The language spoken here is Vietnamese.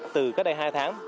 từ cách đây hai tháng